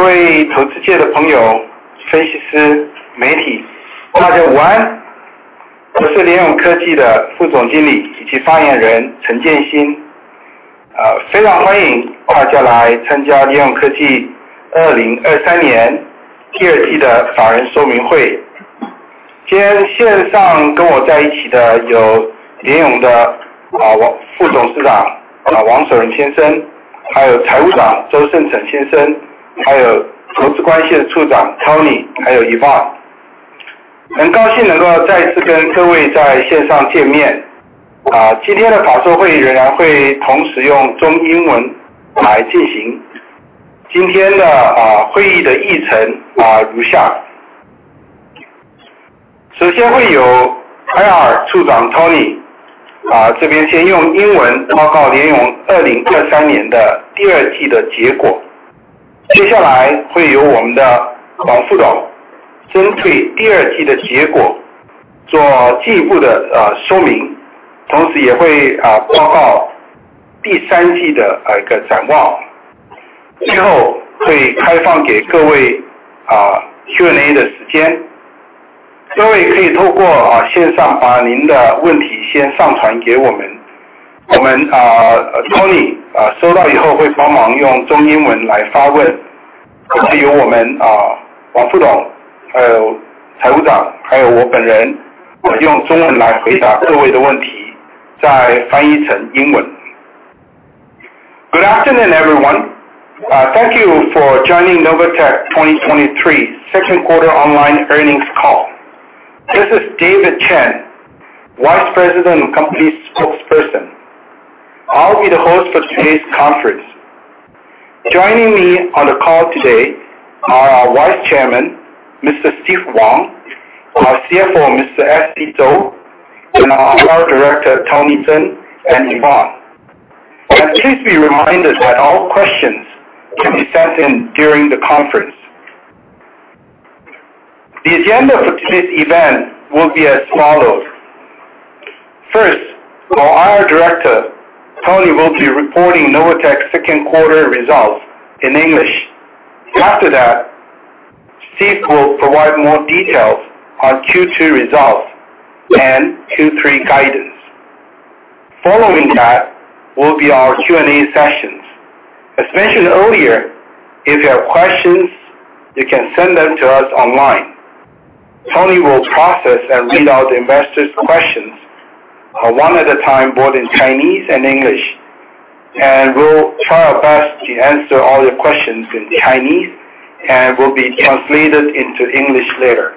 各位投资界的朋友、分析师、媒 体， 大家午 安！ 我是联咏科技的副总经理以及发言人陈建鑫。非常欢迎大家来参加联咏科技2023年 2Q 的法人说明会。今天线上跟我在一起的有联咏的王副董事长王守仁先 生， 还有财务长周慎臣先 生， 还有投资关系的处长 Tony， 还有 Yvonne。很高兴能够再次跟各位在线上见面。今天的法说会仍然会同时用中英文来进 行， 今天的会议的议程如 下： 首先会有 IR 处长 Tony， 这边先用英文报告联咏2023年 2Q 的结果，接下来会由我们的王副总针对 2Q 的结果做进一步的说 明， 同时也会报告 3Q 的一个展望。最后会开放给各位 Q&A 的时间。各位可以透过线上把您的问题先上传给我 们， 我们 Tony 收到以后会帮忙用中英文来发 问， 会由我们王副 总， 还有财务 长， 还有我本 人， 用中文来回答各位的问 题， 再翻译成英文。Good afternoon, everyone, thank you for joining Novatek 2023 2Q online earnings call. This is David Chen, Vice President and Company Spokesperson. I'll be the host for today's conference. Joining me on the call today are our Vice Chairman, Mr. Steve Wang, our CFO, Mr. S.C. Chou, and our director, Tommy Chen and Yvonne. Please be reminded that all questions can be sent in during the conference. The agenda for today's event will be as follows: First, our director Tony will be reporting Novatek second quarter results in English. After that, Steve will provide more details on Q2 results and Q3 guidance. Following that will be our Q&A sessions. As mentioned earlier, if you have questions, you can send them to us online. Tony will process and read out the investors questions, one at a time, both in Chinese and English, and we'll try our best to answer all your questions in Chinese and will be translated into English later.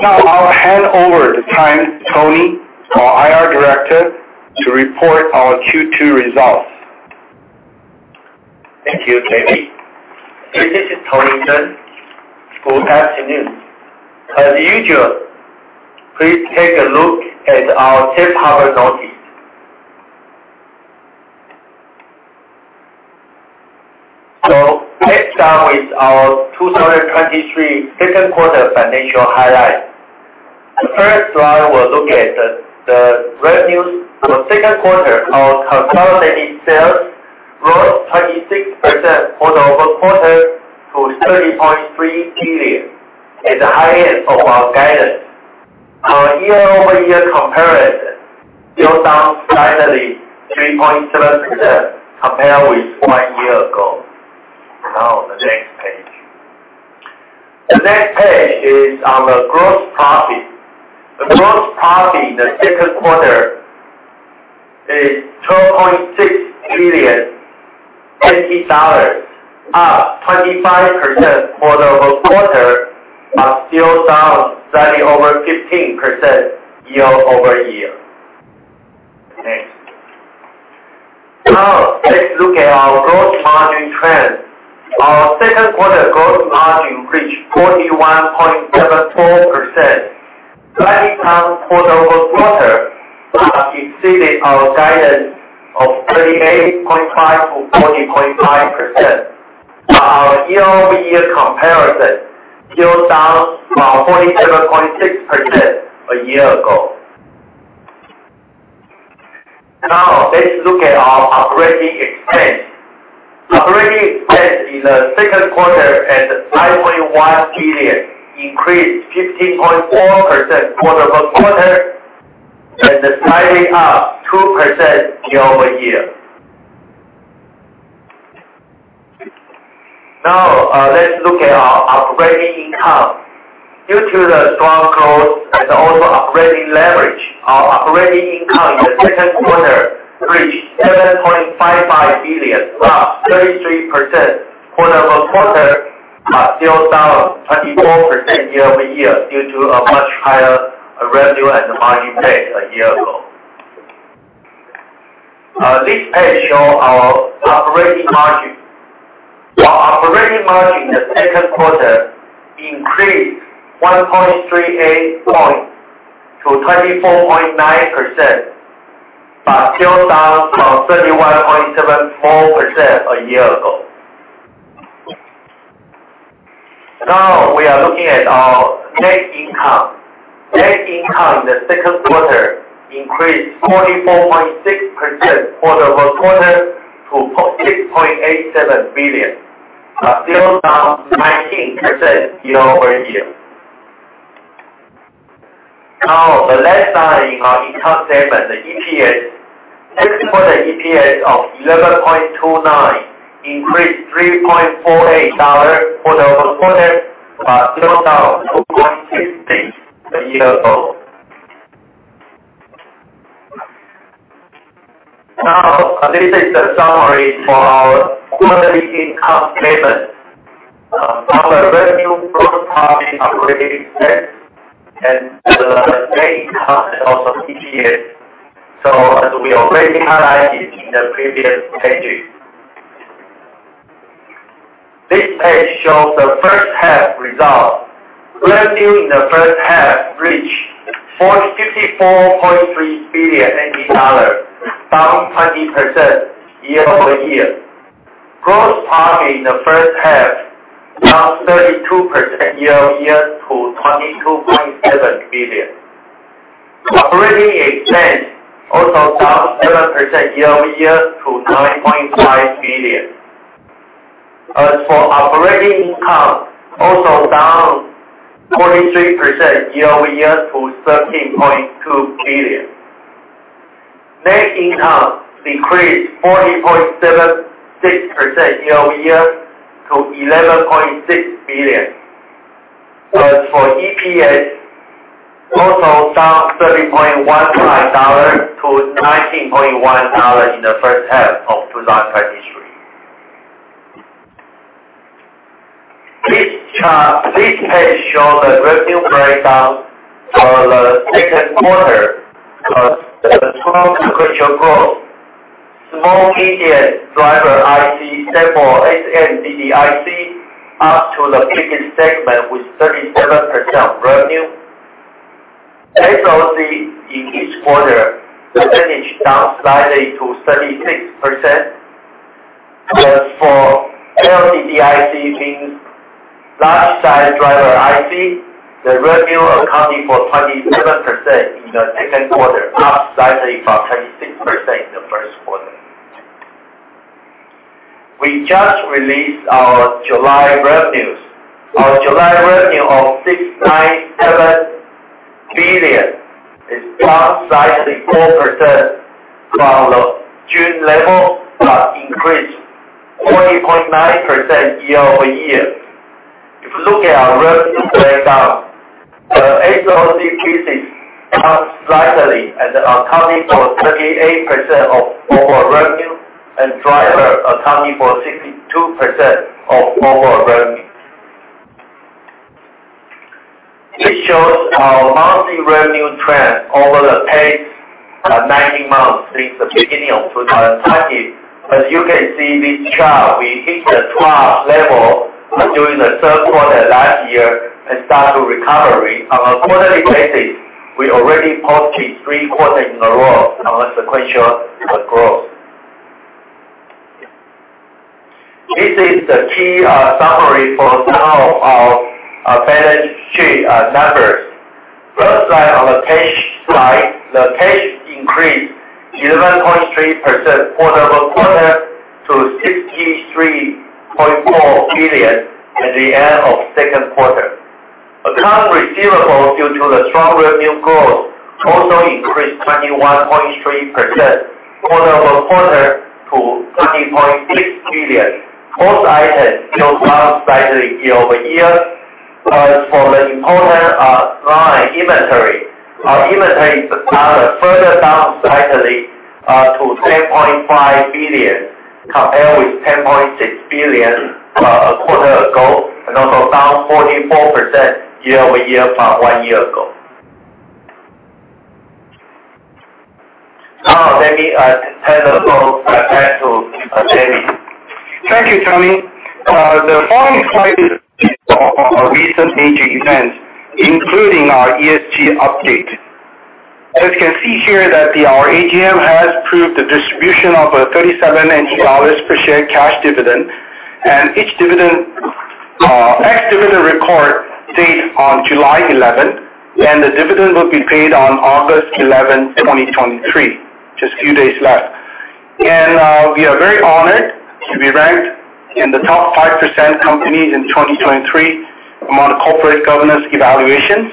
Now I'll hand over the time to Tony, our IR Director, to report our Q2 results. Thank you, David. This is Tommy Chen. Good afternoon. Let's start with our 2023 2Q financial highlights. The first slide will look at the revenues for 2Q. Our consolidated sales rose 26% quarter-over-quarter to $30.3 billion, at the high end of our guidance. Our year-over-year comparison still down slightly, 3.7% compared with 1 year ago. The next page. The next page is our gross profit. The gross profit in the 2Q is $12.6 million, up 25% quarter-over-quarter, but still down slightly over 15% year-over-year. Next. Let's look at our gross margin trend. Our second quarter gross margin reached 41.74%, slightly down quarter-over-quarter, but exceeded our guidance of 38.5% to 40.5%. Our year-over-year comparison still down from 47.6% a year ago. Now let's look at our operating expense. Operating expense in the second quarter at NTD 5.1 billion, increased 15.4% quarter-over-quarter, and slightly up 2% year-over-year. Now, let's look at our operating income. Due to the strong growth and also operating leverage, our operating income in the second quarter reached NTD 7.55 billion, up 33% quarter-over-quarter, but still down 24% year-over-year due to a much higher revenue and margin base a year ago. This page shows our operating margin. Our operating margin in the second quarter increased 1.38 points to 24.9%. Still down from 31.74% a year ago. Now we are looking at our net income. Net income in the second quarter increased 44.6% quarter-over-quarter to NTD 6.87 billion. Still down 19% year-over-year. Now, the last line in our income statement, the EPS. Ex for the EPS of 11.29, increased NTD 3.48 quarter-over-quarter. Still down 2.6 base a year ago. Now, this is the summary for our quarterly income statement. Our revenue, gross profit, operating expense, and the net income, and also EPS. As we already highlighted in the previous pages. This page shows the first half results. Revenue in the first half reached NTD 45.3 billion, down 20% year-over-year. Gross profit in the first half, down 32% year-over-year to NTD 22.7 billion. Operating expense also down 7% year-over-year to NTD 9.5 billion. As for operating income, also down 23% year-over-year to NTD 13.2 billion. Net income decreased 40.76% year-over-year to NTD 11.6 billion. As for EPS, also down NTD 13.15 to NTD 19.1 in the first half of 2023. This page shows the revenue breakdown for the second quarter, because the total sequential growth. Small medium driver IC, sample SMD IC, up to the biggest segment with 37% revenue. SoC in this quarter, the percentage down slightly to 36%. As for LDDIC, means large size driver IC, the revenue accounting for 27% in the second quarter, up slightly from 26% in the first quarter. We just released our July revenues. Our July revenue of 6.97 billion is down slightly 4% from the June level, increased 40.9% year-over-year. If you look at our revenue breakdown, the SoC pieces down slightly and accounting for 38% of overall revenue, and driver accounting for 62% of overall revenue. This shows our monthly revenue trend over the past 90 months since the beginning of 2020. As you can see this chart, we hit the 12 level during the third quarter last year and start to recovery. On a quarterly basis, we already posted three quarters in a row on a sequential growth. This is the key summary for some of our balance sheet numbers. First slide on the page slide, the page increased 11.3% quarter-over-quarter to NTD 63.4 billion at the end of second quarter. Accounts receivable, due to the strong revenue growth, also increased 21.3% quarter-over-quarter to NTD 13.6 billion. Both items still down slightly year-over-year. As for the important line inventory, our inventory is further down slightly to NTD 10.5 billion, compared with NTD 10.6 billion a quarter ago, and also down 44% year-over-year from 1 year ago. Now, let me hand the call back to Danny. Thank you, Tony. The following slide is our recent major events, including our ESG update. As you can see here, that the our AGM has approved the distribution of a NT$37 per share cash dividend, and each dividend ex-dividend record date on July 11th, and the dividend will be paid on August 11th, 2023, just few days left. We are very honored to be ranked in the top 5% companies in 2023 among the Corporate Governance Evaluation.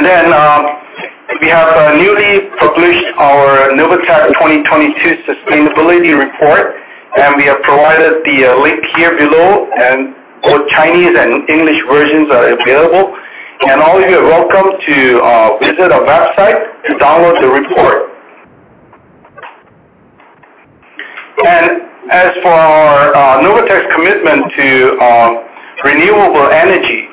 Then we have newly published our Novatek 2022 Sustainability Report, and we have provided the link here below, and both Chinese and English versions are available. All of you are welcome to visit our website to download the report. As for Novatek's commitment to renewable energy,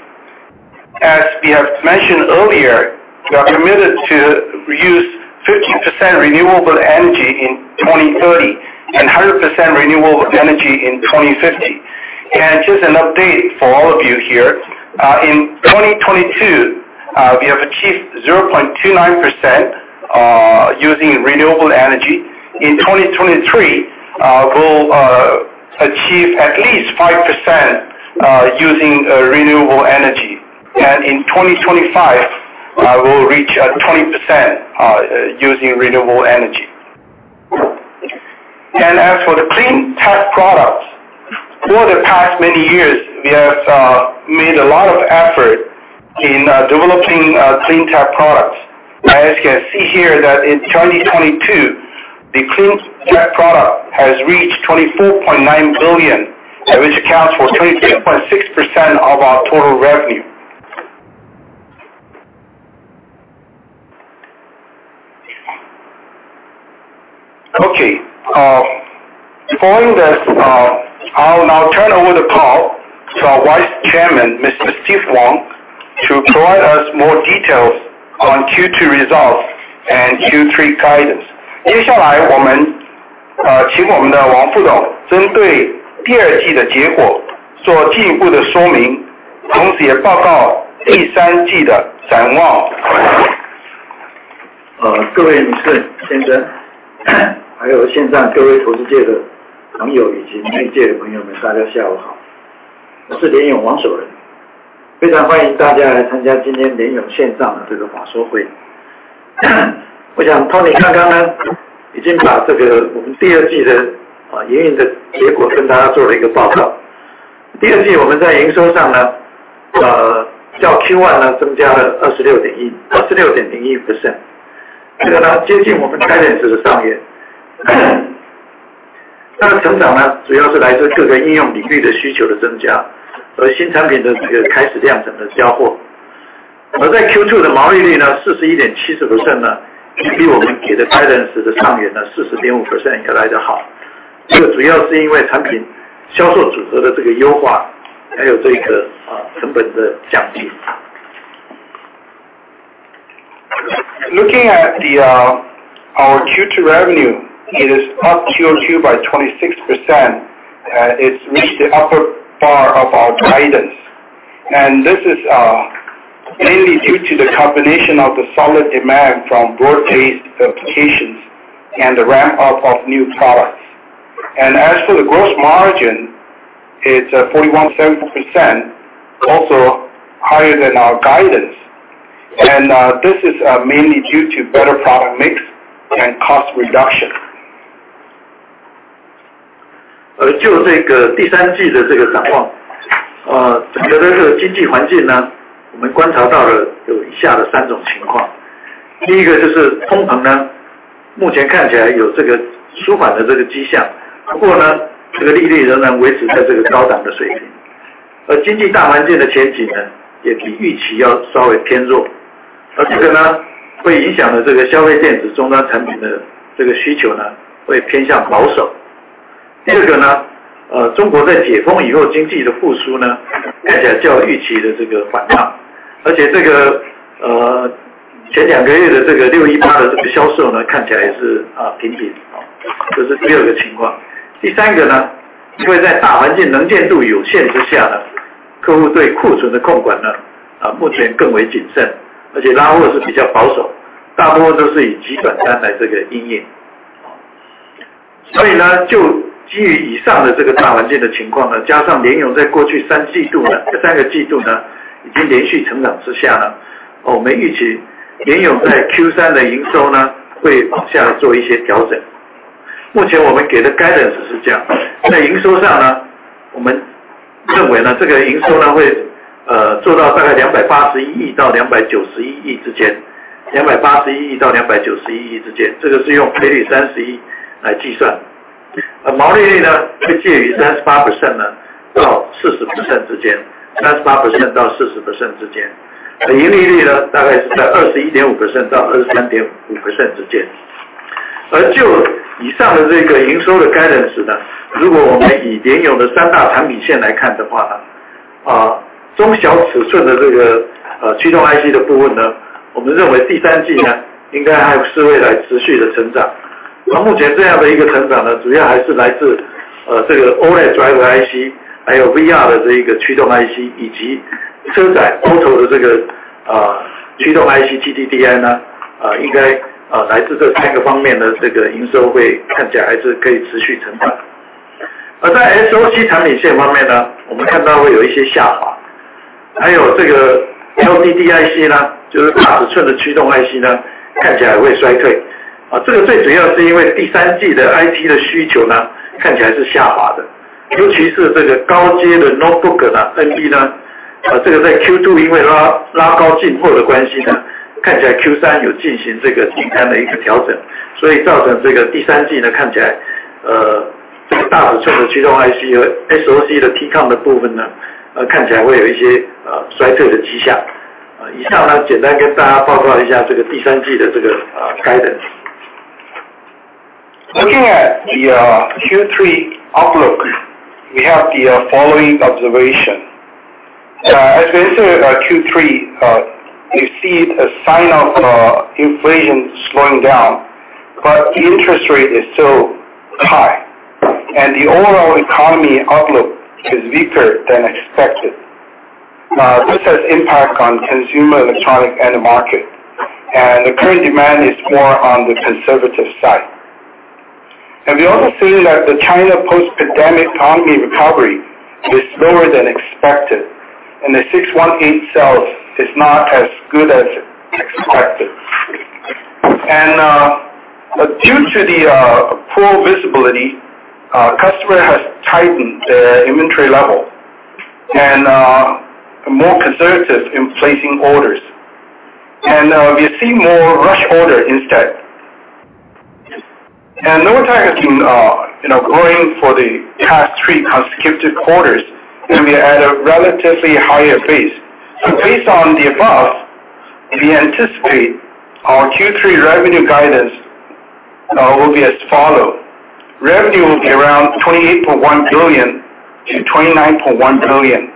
as we have mentioned earlier, we are committed to use 50% renewable energy in 2030 and 100% renewable energy in 2050. Just an update for all of you here, in 2022, we have achieved 0.29% using renewable energy. In 2023, we'll achieve at least 5% using renewable energy, and in 2025, we'll reach 20% using renewable energy. As for the Clean Tech products, over the past many years, we have made a lot of effort in developing Clean Tech products. As you can see here, that in 2022, the Clean Tech product has reached $24.9 billion, which accounts for 23.6% of our total revenue. Okay, following this, I'll now turn over the call to our Vice Chairman, Mr. Steve Wang, to provide us more details on Q2 results and Q3 guidance. Uh, 各位女士、先 生， 还有线上的各位投资界的朋 友， 以及媒体界的朋友 们， 大家下午 好！ 我是联咏王守 仁， 非常欢迎大家来参加今天联咏线上的这个法说会。我想 Tony 他刚刚 呢， 已经把这个我们第二季 的， 呃， 营运的结果跟大家做了一个报告。第二季我们在营收上 呢， 呃， 较 Q1 呢， 增加了二十六点 一... 二十六点零一 percent， 这个 呢， 接近我们 guidance 的上限。它的成长 呢， 主要是来自各个应用领域的需求的增 加， 和新产品的这个开始量产的交货。而在 Q2 的毛利率 呢， 四十一点七十 percent 呢， 也比我们给的 guidance 的上限 呢， 四十点五 percent 应该来得好。这个主要是因为产品销售组合的这个优 化， 还有这 个， 呃， 成本的降低。Looking at the our Q2 revenue, it is up QOQ by 26%, it's reached the upper bar of our guidance, this is mainly due to the combination of the solid demand from broad-based applications and the ramp up of new products. As for the gross margin, it's 41.7%, also higher than our guidance. This is mainly due to better product mix and cost reduction. 就这个第三季的这个 展望， 整个的这个经济环境 呢， 我们观察到了有以下的3种情况。第1个就是通膨 呢， 目前看起来有这个舒缓的这个 迹象， 不过 呢， 这个利率仍然维持在这个高涨的 水平， 经济大环境的前景 呢， 也比预期要稍微 偏弱， 而这个 呢， 会影响了这个消费电子终端产品的这个需求 呢， 会偏向保守。第2个 呢， 中国在解封 以后， 经济的复苏 呢， 看起来较预期的这个 缓荡， 而且这 个， 前2个月的这个618的这个销售 呢， 看起来也是平平。这是第2个情况。第3个 呢， 因为在大环境能见度有限之下 呢， 客户对库存的控管 呢， 目前更为 谨慎， 而且拉货是比较 保守， 大多数是以 rush order 来这个营业。所以 呢， 就基于以上的这个大环境的情况 呢， 加上 Novatek 在过去 3 季度， 3个季度 呢， 已经连续成长之下 呢， 我们预期 Novatek 在 Q3 的营收 呢， 会往下做一些调整。目前我们给的 guidance 是 这样， 在营收上 呢， 我们认为 呢， 这个营收 呢， 会做到大概 NTD 28.1 billion-NTD 29.1 billion 之间， NTD 28.1 billion-NTD 29.1 billion 之间， 这个是用本益比三十一来计算。毛利率 呢， 会介于 38%-40% 之间， 38%-40% 之间， 盈利率 呢， 大概是在 21.5%-23.5% 之间。就以上的这个营收的 guidance 呢， 如果我们以 Novatek 的3大产品线来看的 话， 中小尺寸的这个驱动 IC 的部分 呢， 我们认为第三季 呢， 应该还是会来持续的 成长， 而目前这样的一个成长 呢， 主要还是来自这个 OLED driver IC， 还有 VR 的这个驱动 IC， 以及车载 automotive 的这个驱动 IC, GDDI 呢， 应该来自这3个方面的这个营收会看起来还是可以持续成长。在 SoC 产品线方面 呢， 我们看到会有一些 下滑， 还有这个 LDDIC 呢， 就是大尺寸的驱动 IC 呢， 看起来也会衰退。这个最主要是因为第三季的 IT 的需求 呢， 看起来是下滑 的， 尤其是这个高阶的 notebook 呢， NB 呢， 这个在 Q2， 因为 拉， 拉高进货的关系 呢， 看起来 Q3 有进行这个清仓的一个 调整， 所以造成这个第三季 呢， 看起来这个大尺寸的驱动 IC 和 SoC 的 TCON 的部分 呢， 看起来会有一些衰退的迹象。以上 呢， 简单跟大家报告 一下， 这个第三季的这个 guidance。Looking at the Q3 outlook, we have the following observation. As we enter our Q3, we see a sign of inflation slowing down, but the interest rate is still high. The overall economy outlook is weaker than expected. Now, this has impact on consumer electronic end market, and the current demand is more on the conservative side. We also see that the China post-pandemic economy recovery is slower than expected, and the 618 sales is not as good as expected. Due to the poor visibility, customer has tightened the inventory level and more conservative in placing orders. We see more rush order instead. Novatek has been, you know, growing for the past 3 consecutive quarters, and we are at a relatively higher pace. Based on the above, we anticipate our Q3 revenue guidance will be as follow: Revenue will be around $28.1 billion-$29.1 billion,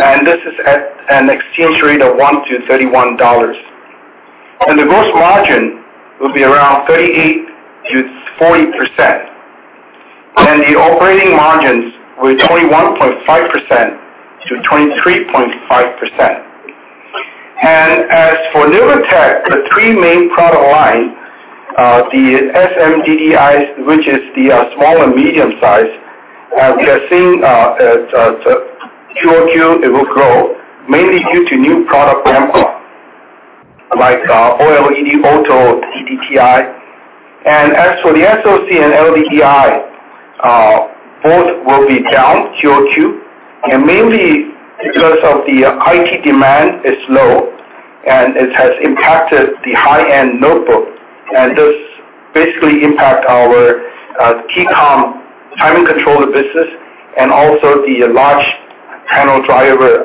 and this is at an exchange rate of 1 to $31. The gross margin will be around 38%-40%, and the operating margins with 21.5%-23.5%. As for Novatek, the three main product line, the SMDDIC, which is the small and medium size, we are seeing, as QOQ, it will grow, mainly due to new product ramp-up, like OLED, auto TDDI. As for the SoC and LDDIC, both will be down QOQ, mainly because of the IT demand is low, and it has impacted the high-end notebook, and this basically impact our TCON timing controller business and also the large panel driver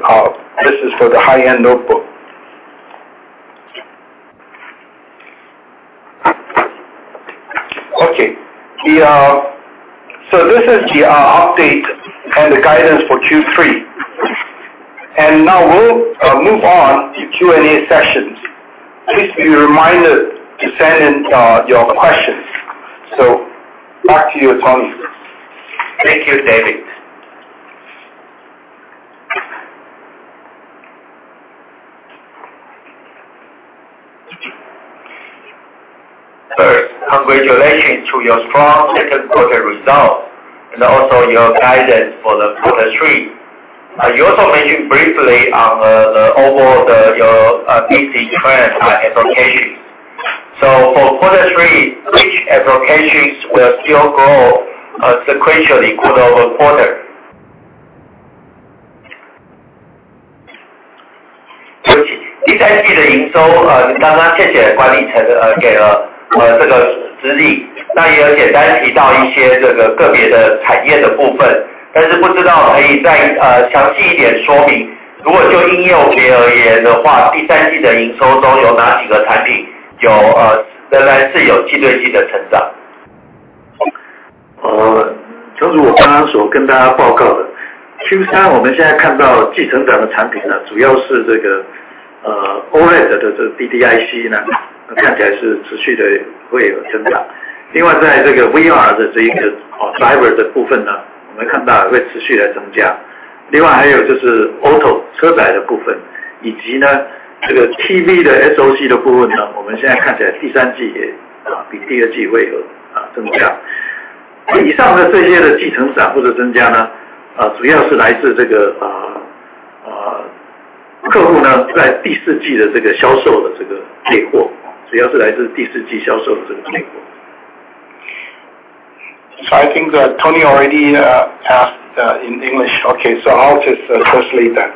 business for the high-end notebook. Okay, we are-- This is the update and the guidance for Q3. Now we'll move on to Q&A sessions. Please be reminded to send in, your questions. Back to you, Tony. Thank you, David. First, congratulations to your strong second quarter results and also your guidance for the quarter three. You also mentioned briefly on the overall your PC trend, applications. For quarter three, which applications will still grow, sequentially quarter-over-quarter? 第三季的营 收. 刚刚谢谢管理 层， 给 了， 这个指 引， 那也有简单提到一些这个个别的产业的部 分， 但是不知道可以 再， 详细一点说 明， 如果就应用别而言的 话， Q3 的营收中有哪几个产品 有， 仍然是有季对季的成 长？ 就如我刚刚所跟大家报告 的， Q3 我们现在看到季成长的产品 呢， 主要是这个 OLED 的这个 DDIC 呢， 看起来是持续的会有增长。另外在这个 VR 的这个 driver 的部分 呢， 我们看到会持续的增加。另外还有就是 automotive 车载的部 分， 以及 呢， 这个 TV 的 SoC 的部分 呢， 我们现在看起来 Q3 也比 Q2 会有增加。以上的这些的季成长或者增加 呢， 主要是来自这个客户 呢， 在 Q4 的这个销售的这个结 果， 主要是来自 Q4 销售的这个结果。I think that Tony already asked in English. I'll just translate that.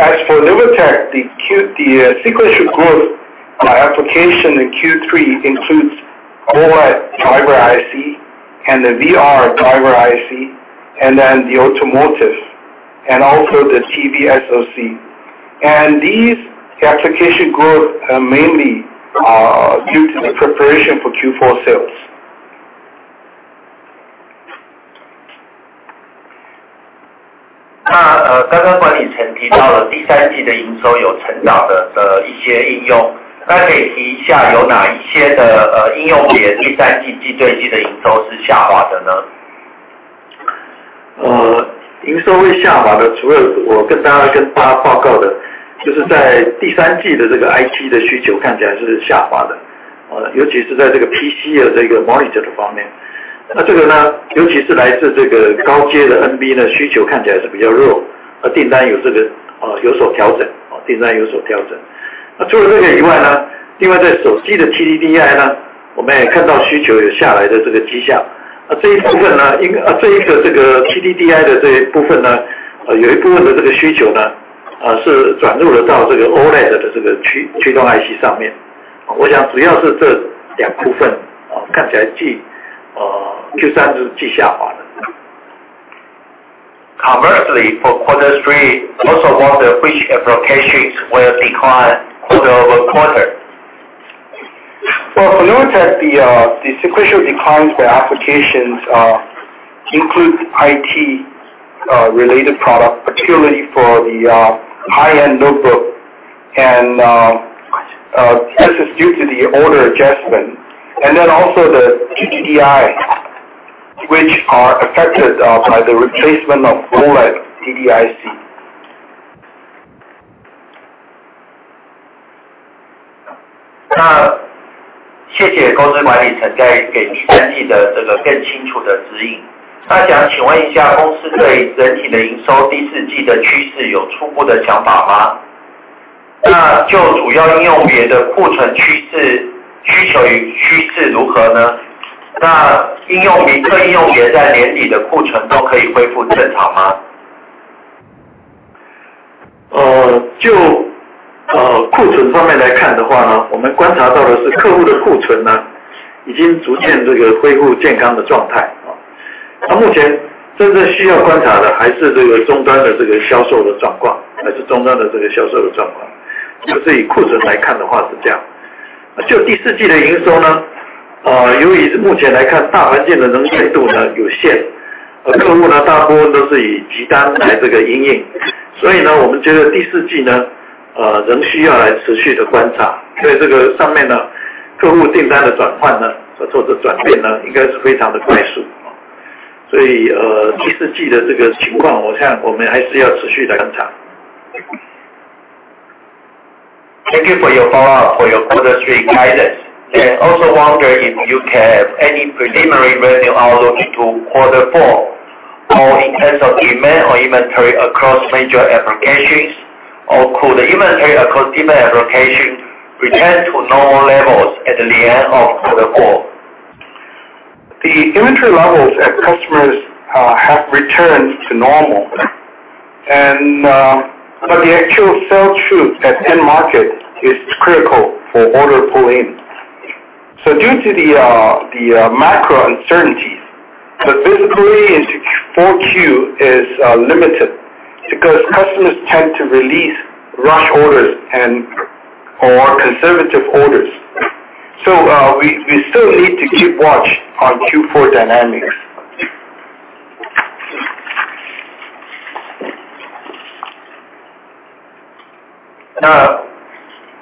As for Novatek, the sequential growth application in Q3 includes OLED driver IC, and the VR driver IC, and then the automotive, and also the TV SoC. These application growth, mainly due to the preparation for Q4 sales. 刚刚管理层提到了第三季的营收有成长的一些应 用， 可以提一下有哪一些的应用别第三季季对季的营收是下滑的 呢？ 呃， 营收会下滑 的， 除了我跟大 家， 跟大家报告的，就是在第三季的这个 IT 的需求看起来是下滑 的， 呃， 尤其是在这个 PC 的这个 monitor 方面。那这个 呢， 尤其是来自这个高阶的 NB 呢， 需求看起来是比较 弱， 而订单有这 个， 呃， 有所调 整， 订单有所调整。除了这个以外 呢， 另外在手机的 TDDI 呢， 我们也看到需求有下来的这个迹 象， 那这一部分 呢， 因... 这一个这个 TDDI 的这一部分 呢, 有一部分的需求 呢, 是转入了到这个 OLED 的这个驱动 IC 上 面. 我想主要是这两部 分, 看起来 季, Q3 是季下滑 的. Commercially, for quarter three, also what the which applications will decline quarter over quarter? Well, for Novatek, the sequential declines for applications include IT related product, particularly for the high-end notebook. This is due to the order adjustment and then also the TDDI, which are affected by the replacement of OLED DDIC. Thank you for your follow-up, for your quarter three guidance. I also wonder if you can have any preliminary revenue outlook into quarter four, or in terms of demand or inventory across major applications, or could the inventory across different applications return to normal levels at the end of quarter four? The inventory levels at customers have returned to normal, and, but the actual sell-through at end market is critical for order pulling. Due to the macro uncertainties, the visibility into 4Q is limited, because customers tend to release rush orders and, or conservative orders. We, we still need to keep watch on Q4 dynamics.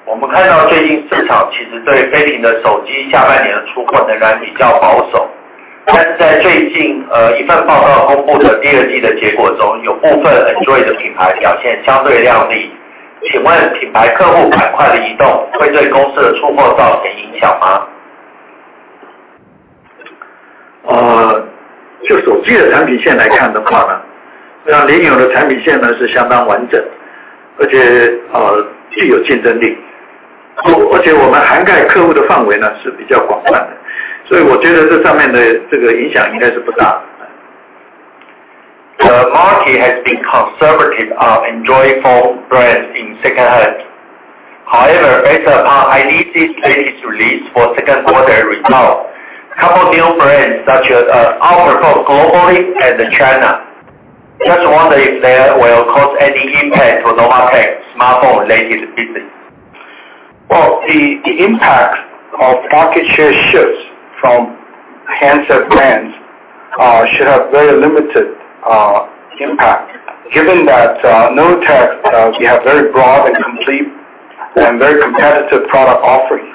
我们看到最近市场其实对非苹的手机下半年的出口仍然比较保 守， 在最 近， 一份报告公布的 second quarter 的结果 中， 有部分 Android 的品牌表现相对靓 丽， 请问品牌客户赶快的移动会对公司的出口造成影响 吗？ 就手机的产品线来看的话 呢， Novatek 的产品线 呢， 是相当完 整， 而 且， 具有竞争 力， 而且我们涵盖客户的范围 呢， 是比较广泛 的， 所以我觉得这上面的这个影响应该是不大的。The market has been conservative of Android phone brands in second hand. However, based upon IDC latest release for second quarter results, a couple of new brands such as offered both globally and China. Just wonder if there will cause any impact to Novatek smartphone related business? Well, the, the impact of market share shifts from handset brands, should have very limited impact, given that Novatek, we have very broad and complete and very competitive product offerings.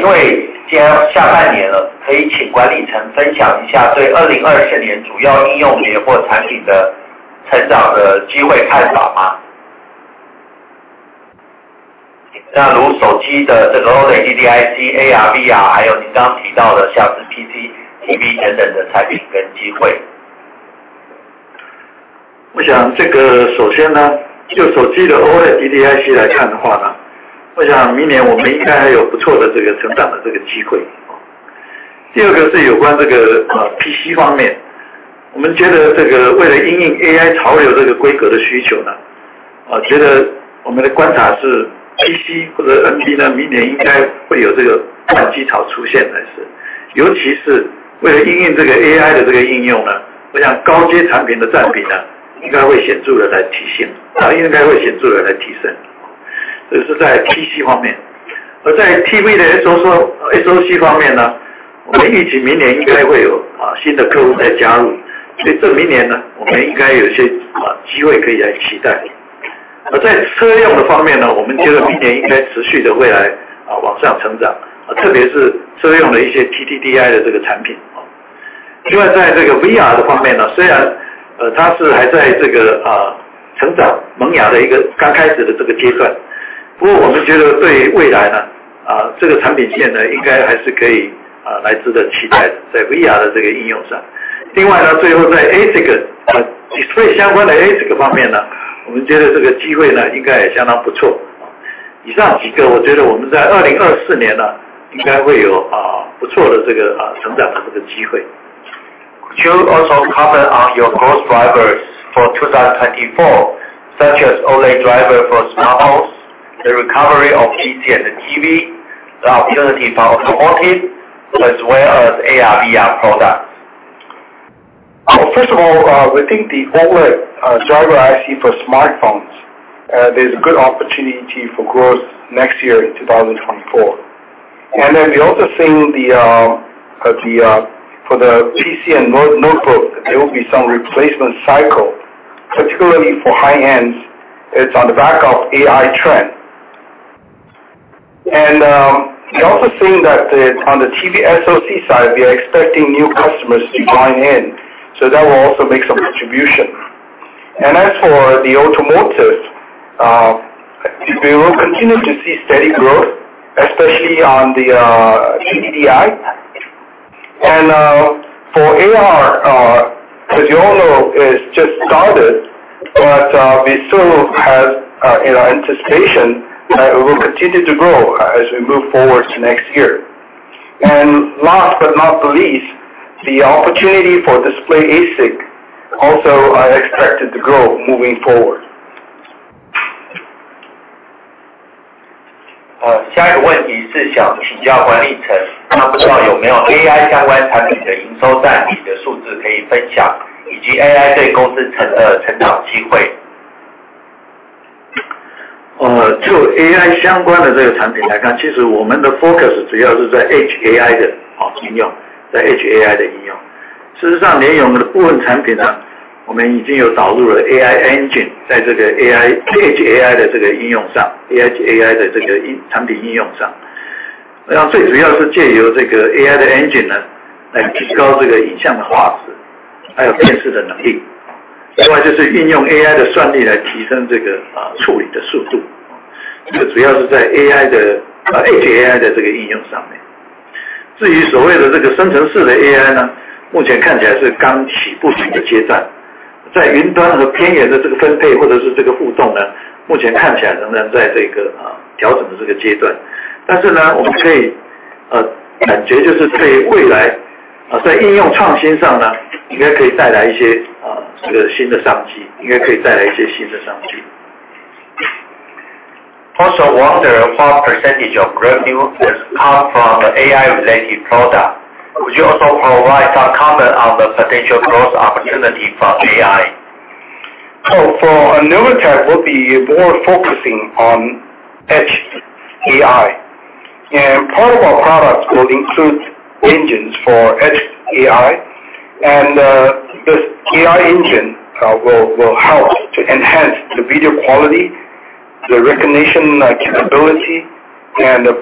因为既然要下半年 了， 可以请管理层分享一下对2024年主要应用业或产品的成长的机会看法吗？如手机的这个 OLED DDIC, AR、VR， 还有您刚刚提到的像是 PC、TV 等等的产品跟机会。我想这个首先 呢， 就手机的 OLED DDIC 来看的话 呢， 我想明年我们应该还有不错的这个成长的这个机会。第二个是有关这 个， PC 方 面， 我们觉得这个为了因应 AI 潮流这个规格的需求 呢， 我觉得我们的观察是 PC 或者 NB 呢， 明年应该会有这个换机潮出现的 是， 尤其是为了因应这个 AI 的这个应用 呢， 我想高阶产品的占比 呢， 应该会显著的来提 升， 应该会著的来提 升， 这是在 PC 方面。而在 TV 的 SoC, SoC 方面 呢， 我们预期明年应该会有新的客户来加 入， 所以这明年 呢， 我们应该有些机会可以来期待。而在车用的方面 呢， 我们觉得明年应该持续的会来往上成 长， 特别是车用的一些 TDDI 的这个产品。另 外， 在这个 VR 的方面 呢， 虽然它是还在这个成长萌芽的一个刚开始的这个阶 段， 不过我们觉得对未来 呢， 这个产品线 呢， 应该还是可以来值得期待 的， 在 VR 的这个应用上。另外 呢， 最后在 ASIC， 所以相关的 ASIC 方面 呢， 我们觉得这个机会呢应该也相当不错。以上几 个， 我觉得我们在2024年 呢， 应该会有不错的这个成长的这个机会。Could you also comment on your growth drivers for 2024, such as OLED driver for smartphones, the recovery of PC and TV, the opportunity for automotive as well as ARVR products? Oh, first of all, we think the OLED, driver IC for smartphone- ...there's a good opportunity for growth next year in 2024. We're also seeing the for the PC and notebook, there will be some replacement cycle, particularly for high-ends. It's on the back of AI trend. We're also seeing that on the TV SoC side, we are expecting new customers to join in, so that will also make some contribution. As for the automotive, we will continue to see steady growth, especially on the DDI. For AR, as you all know, it's just started, but we still have, you know, anticipation that it will continue to grow as we move forward to next year. Last but not the least, the opportunity for display ASIC also are expected to grow moving forward. Uh, ...And the,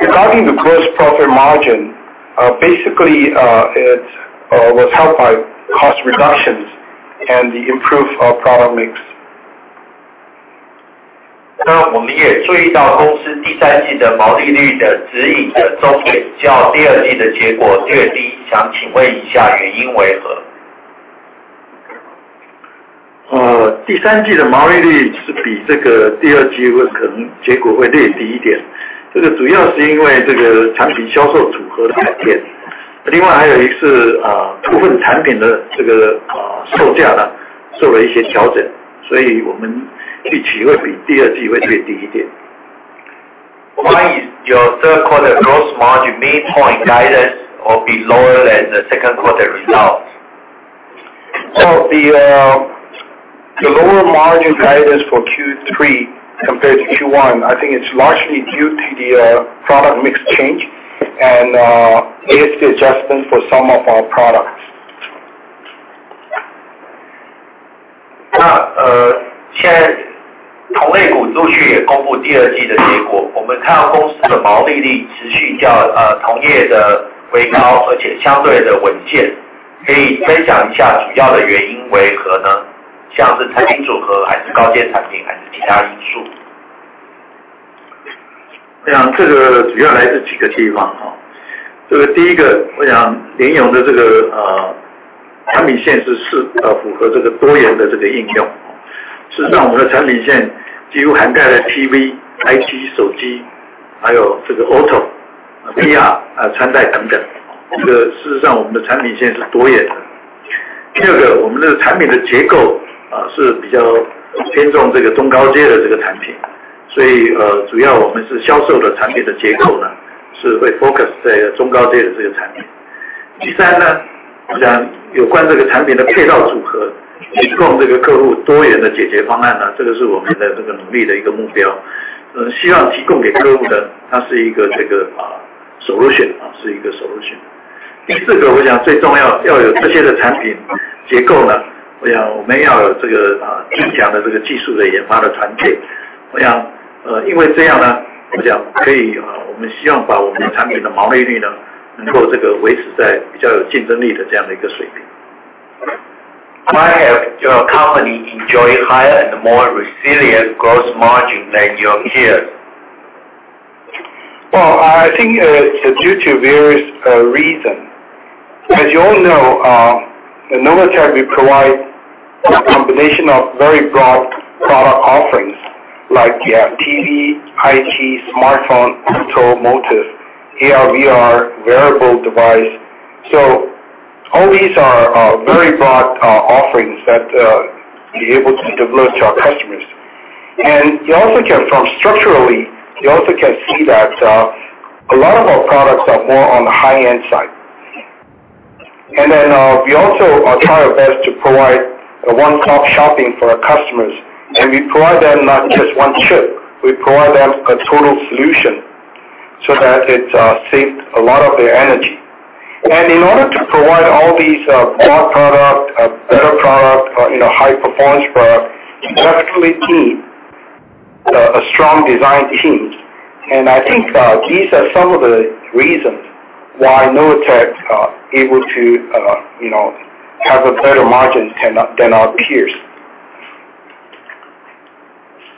regarding the gross profit margin, basically, it was helped by cost reductions and the improved product mix. 我们也注意到公司第三季的毛利率的指引的中 点， 较第二季的结果略 低， 想请问一下原因为 何？ 第3季的毛利率是比这个第2季可能结果会略低一 点， 这个主要是因为这个产品销售组合的改变。另外还有1个 是， 部分产品的这 个， 售价 呢， 做了一些调 整， 所以我们第季会比第2季会略低一点。Why is your third quarter gross margin midpoint guidance or be lower than the second quarter results? The, the lower margin guidance for Q3 compared to Q1, I think it's largely due to the, product mix change and, ASP adjustments for some of our products. 现在同类股陆续也公布第二季的结 果， 我们看到公司的毛利率持续较同业的微 高， 而且相对的稳 健， 可以分享一下主要的原因为何呢？像是产品组 合， 还是高阶产 品， 还是其他因素。我想这个主要来自几个地 方， 哦。这个第一 个， 我想联咏的这 个， 呃， 产品线 是， 是符合这个多元的这个应用。事实 上， 我们的产品线几乎涵盖了 TV、IT、手 机， 还有这个 automotive、VR、穿戴等 等， 这个事实 上， 我们的产品线是多元的。第二 个， 我们这个产品的结 构， 呃， 是比较偏重这个中高阶的这个产 品， 所 以， 呃， 主要我们是销售的产品的结构 呢， 是会 focus 在中高阶的这个产品。第三 呢， 我想有关这个产品的配套组 合， 提供这个客户多元的解决方案 呢， 这个是我们的这个努力的一个目 标， 呃， 希望提供给客户 的， 它是一个这 个， 呃 ，solution， 是一个 solution。第四 个， 我想最重要要有这些的产品结构呢，我想我们要有这 个， 呃， 最强的这个技术的研发的团 队， 我 想， 呃， 因为这样 呢， 我想可 以， 呃， 我们希望把我们的产品的毛利率 呢， 能够这个维持在比较有竞争力的这样的一个水平。Why have your company enjoy higher and more resilient gross margin than your peers? I think, it's due to various reason. As you all know, at Novatek, we provide a combination of very broad product offerings, like we have TV, IT, smartphone, automotive, AR, VR, wearable device. All these are very broad offerings that we able to deliver to our customers. You also can from structurally, you also can see that a lot of our products are more on the high-end side. We also try our best to provide a one-stop shopping for our customers, and we provide them not just one chip, we provide them a total solution, so that it saves a lot of their energy. In order to provide all these broad product, better product, you know, high performance product, you actually need a strong design team. I think these are some of the reasons why Novatek able to, you know, have a better margin than, than our peers.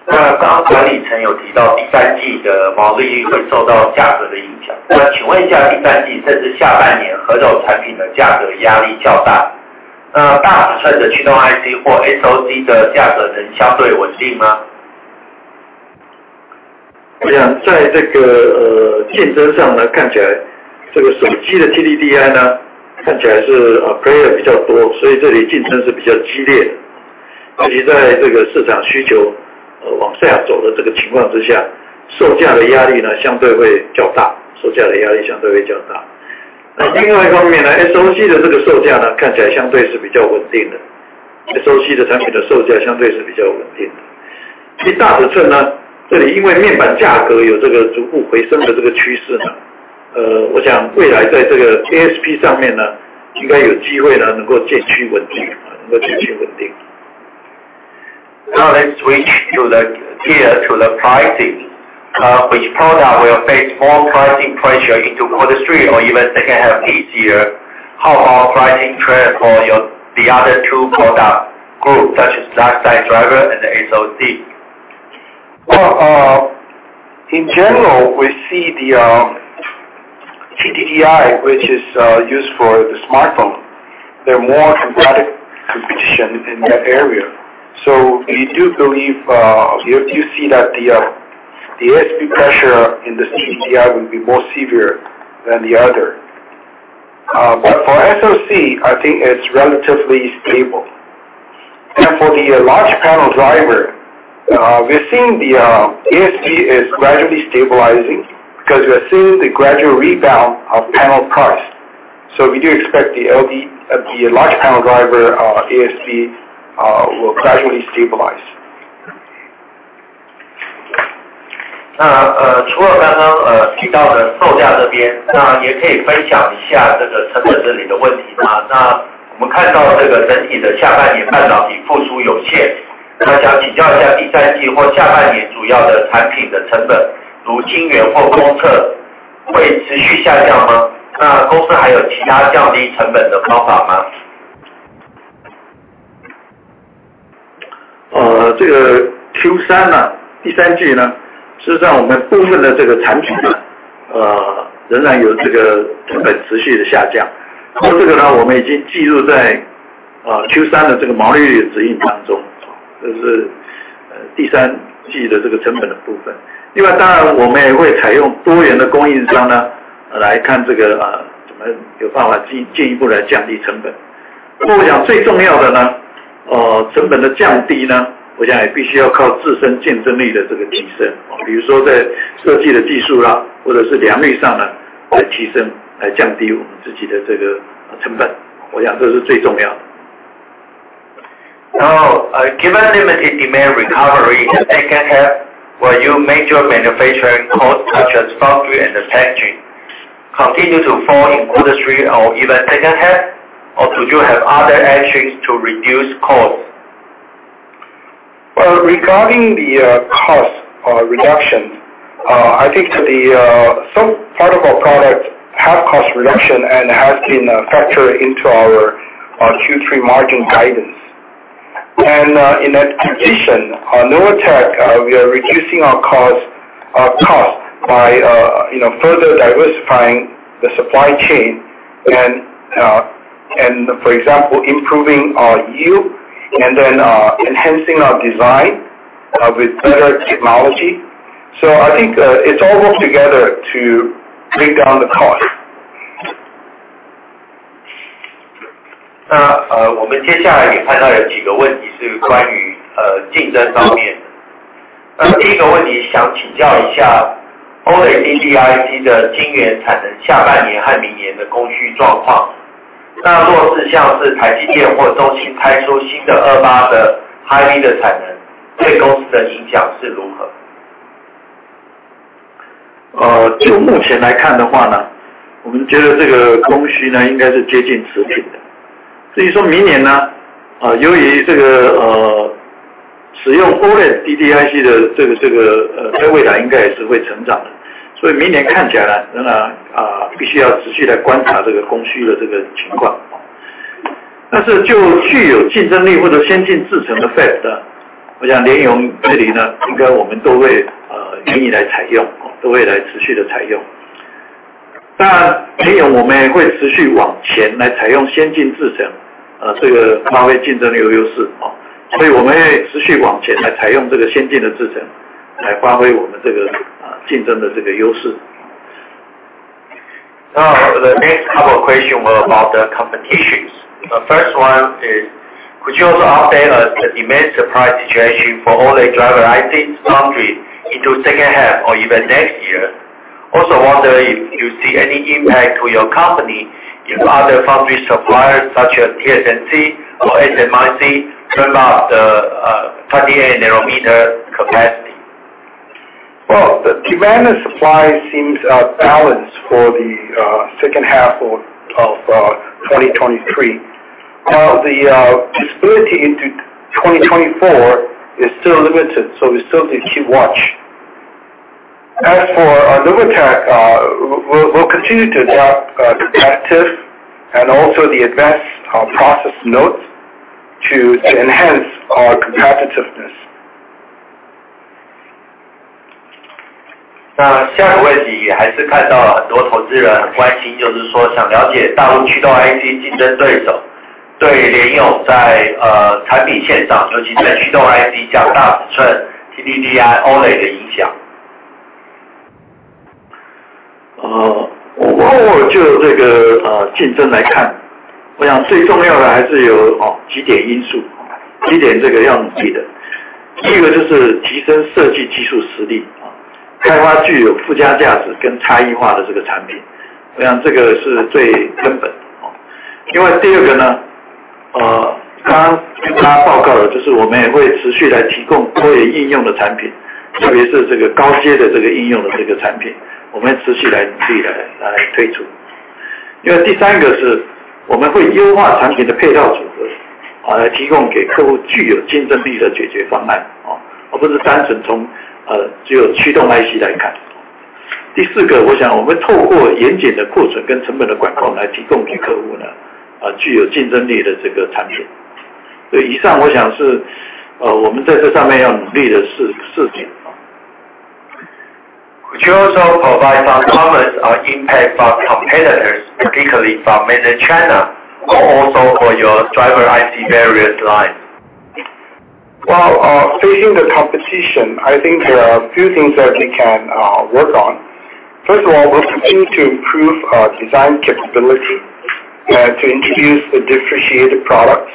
刚刚管理层有提到第三季的毛利率会受到价格的影 响， 请问一下第三季甚至下半 年， 何种产品的价格压力较 大？ 大尺寸的 driver IC 或 SoC 的价格能相对稳定 吗？ 我想在这个竞争上 呢, 看起来这个手机的 TDDI 呢, 看起来是 player 比较 多, 所以这里竞争是比较激烈 的, 尤其在这个市场需求往下走的情况之 下, 售价的压力 呢, 相对会较 大, 售价的压力相对会较 大. 那另外一方面 呢, SoC 的这个售价 呢, 看起来相对是比较稳定 的, SoC 的产品的售价相对是比较稳定 的. thì 大尺寸 呢, 这里因为面板价格有这个逐步回升的这个趋势 呢, 我想未来在这个 ASP 上面 呢, 应该有机会 呢, 能够渐趋稳 定, 能够渐趋稳 定. Now, let's switch to the pricing. Which product will face more pricing pressure into Q3 or even second half this year? How about pricing trend for your other two product group, such as large driver and the SoC? In general, we see the TDDI, which is used for the smartphone, there are more competitive competition in that area. We do believe, we do see that the ASP pressure in the TDDI will be more severe than the other. But for SoC, I think it's relatively stable. And for the large panel driver, we're seeing the ASP is gradually stabilizing, because we are seeing the gradual rebound of panel cost. We do expect the large panel driver, ASP, will gradually stabilize. 那， 呃， 除了刚刚 呃， 提到的售价这 边， 那也可以分享一下这个成本这里的问题 吗？ 那...... 我们看到这个整体的下半年半导体复苏有 限， 那想请教一下第三季或下半年主要的产品的成本，如晶圆或工测会持续下降 吗？ 那公司还有其他降低成本的方法 吗？ 这个 Q 三 呢， 第三季 呢， 事实上我们部分的这个产品 呢， 仍然有这个成本持续的下 降， 那这个 呢， 我们已经计入在 Q 三的这个毛利率的指引当 中， 这是第三季的这个成本的部分。另 外， 当然我们也会采用多元的供应商 呢， 来看这 个， 怎么有办法进一步来降低成本。不过我想最重要的 呢， 成本的降低 呢， 我想也必须要靠自身竞争力的这个提 升， 比如说在设计的技术 啦， 或者是良率上的提 升， 来降低我们自己的这个成 本， 我想这是最重要的。Given limited demand recovery in the second half, will you make your manufacturing cost, such as foundry and the packaging, continue to fall in quarter three or even second half, or do you have other actions to reduce costs? Well, regarding the cost reduction, I think to the some part of our products have cost reduction and has been factored into our Q3 margin guidance. In addition, on Novatek, we are reducing our cost cost by, you know, further diversifying the supply chain and for example, improving our yield and then enhancing our design with better technology. I think, it's all work together to bring down the cost. 那， 呃， 我们接下来也看到了几个问 题， 是关 于， 呃， 竞争方面的。第一个问题想请教一下 OLED DDIC 的晶圆产 能， 下半年和明年的供需状况。那若是像是台积电或中芯派出新的二八的 High V 的产 能， 对公司的影响是如 何？ 呃， 就目前来看的话 呢， 我们觉得这个供需 呢， 应该是接近持平的。至于说明年 呢， 呃， 由于这 个， 呃， 使用 OLED DDIC 的这 个， 这 个， 呃， 在未来应该也是会成长 的， 所以明年看起来 呢， 呃， 必须要持续来观察这个供需的这个情况。但是就具有竞争力或者先进制程的 Fab 呢， 我想联咏这里 呢， 应该我们都 会， 呃， 愿意来采 用， 都会来持续地采用。当然联咏我们也会持续往前来采用先进制 程， 呃， 这个发挥竞争力的优 势， 所以我们会持续往前来采用这个先进的制 程， 来发挥我们这 个， 呃， 竞争的这个优势。The next couple of question were about the competitions. The first one is, could you also update us the demand supply situation for all the driver IC foundry into second half or even next year? Also wonder if you see any impact to your company if other foundry suppliers such as TSMC or SMIC turn up the 28-nanometer capacity. Well, the demand and supply seems balanced for the second half of, of, 2023. The visibility into 2024 is still limited, so we still need to keep watch. As for our Novatek, we'll, we'll continue to adapt, competitive and also the advanced, process nodes to enhance our competitiveness. 下一个问 题， 也还是看到很多投资人很关 心， 就是说想了解大陆驱动 IC 竞争对 手， 对联咏在产品线 上， 尤其在驱动 IC 加大尺寸 DDI OLED 的影响。我就这个竞争 来看， 我想最重要的还是有 几点因素， 几点要努力的。第一个就是提升设计技术 实力， 开发具有附加价值跟差异化的这个 产品， 我想这个是最根本的。另外第二个 呢， 刚刚跟大家报告 了， 就是我们也会持续来提供多元应用的 产品， 特别是这个高阶的这个应用的 产品， 我们持续来努力来推出。另外第三个 是， 我们会优化产品的配套 组合， 来提供给客户具有竞争力的 解决方案， 而不是单纯 从， 只有驱动 IC 来看。第四个， 我想我们透过严谨的过程跟成本的 管控， 来提供给客户 呢， 具有竞争力的这个产品。以上我想 是， 我们在这上面要努力的四点。Could you also provide some comments on impact for competitors, particularly from mainland China, but also for your driver IC various lines? Well, facing the competition, I think there are a few things that we can work on. First of all, we'll continue to improve our design capability and to introduce the differentiated products.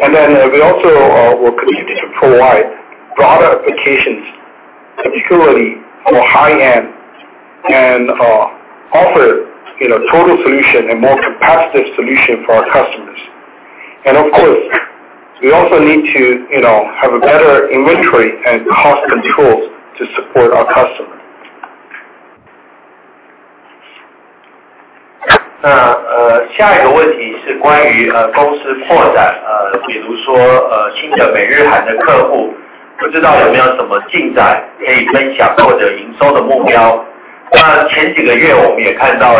Then, we also will continue to provide broader applications, especially for high end, and offer, you know, total solution and more competitive solution for our customers. Of course, we also need to, you know, have a better inventory and cost controls to support our customers.... 下一个问题是关于公司扩 展， 比如说新的 U.S., Japan, Korea 的客 户， 不知道有没有什么进展可以分 享， 或者营收的目标。前几个月我们也看 到，